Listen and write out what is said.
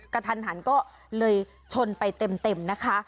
กระทันหันก็เลยชนไปเต็มนะคะ